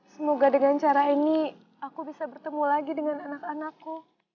semoga dengan cara ini aku bisa bertemu lagi dengan anak anakku